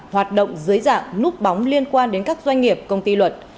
hoạt động dưới dạng núp bóng liên quan đến các doanh nghiệp công ty luật